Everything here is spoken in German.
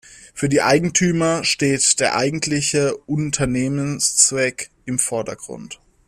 Für die Eigentümer steht der eigentliche Unternehmenszweck im Vordergrund.